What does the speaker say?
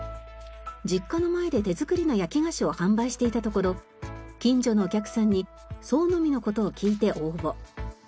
実家の前で手作りの焼き菓子を販売していたところ近所のお客さんに創の実の事を聞いて応募。